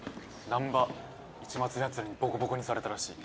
難破市松のやつらにボコボコにされたらしい。